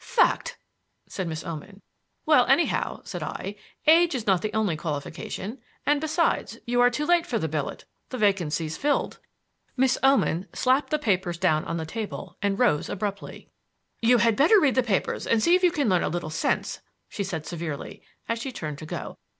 "Fact," said Miss Oman. "Well, anyhow," said I, "age is not the only qualification. And besides, you are too late for the billet. The vacancy's filled." Miss Oman slapped the papers down on the table and rose abruptly. "You had better read the papers and see if you can learn a little sense," she said severely as she turned to go.